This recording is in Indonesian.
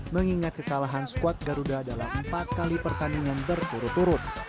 mengingat kekalahan squad garuda dalam empat kali pertandingan berkurut kurut